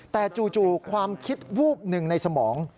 แต่จู่ความคิดวูบหนึ่งในสมอง